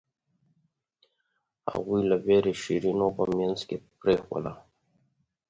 هغوی له وېرې شیرینو په منځ کې پرېښووله.